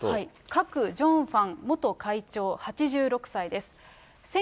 クァク・ジョンファン元会長８６歳です。